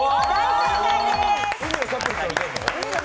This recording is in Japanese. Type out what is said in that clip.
正解です。